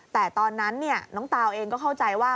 แต่ตอนนั้นน้องตาวเองก็เข้าใจว่า